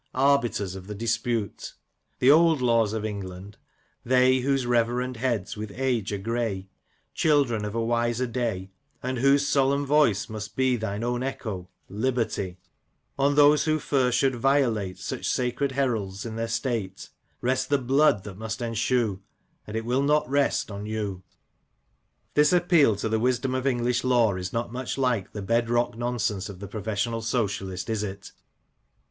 rbiters of the dispute, 28 SHELLEY, '' PETERLOO;' AND *' The old laws of England — they Whose reverend heads with age are grey, Children of a wiser day ; And whose solemn voice must be Thine own echo — Liberty I *• On those who first should violate Such sacred heralds in their state Rest the blood that must ensue. And it will not rest on you." This appeal to the wisdom of English law is not much like the "bed rock" nonsense of the professional Socialist, is it